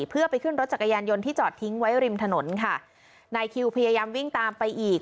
เพื่อไปขึ้นรถจักรยานยนต์ที่จอดทิ้งไว้ริมถนนค่ะนายคิวพยายามวิ่งตามไปอีก